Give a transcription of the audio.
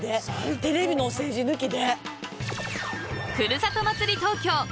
テレビのお世辞抜きで！